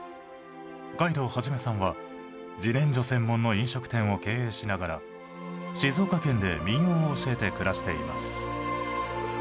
海道はじめさんはじねんじょ専門の飲食店を経営しながら静岡県で民謡を教えて暮らしています。